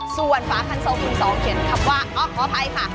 ส่วนฝาคันโซคุณสองเขียนคำว่าขออภัยค่ะ